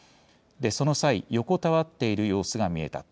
その際、横たわっている様子が見えた。